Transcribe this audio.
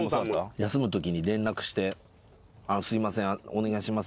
休むときに連絡して「すいませんお願いします